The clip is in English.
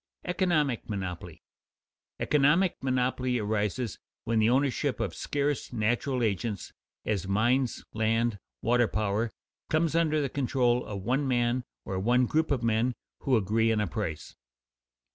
[Sidenote: Economic monopoly] Economic monopoly arises when the ownership of scarce natural agents, as mines, land, water power, comes under the control of one man or one group of men who agree on a price.